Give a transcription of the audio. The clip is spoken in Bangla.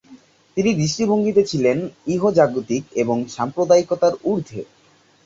তিনি দৃষ্টিভঙ্গিতে ছিলেন ইহজাগতিক এবং সাম্প্রদায়িকতার উর্ধ্বে।